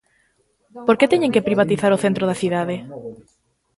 Por que teñen que privatizar o centro da cidade?